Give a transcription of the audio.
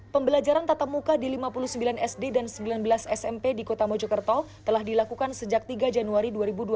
pembelajaran tatap muka di lima puluh sembilan sd dan sembilan belas smp di kota mojokerto telah dilakukan sejak tiga januari dua ribu dua puluh